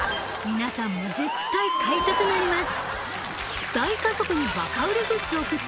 皆さんも絶対買いたくなります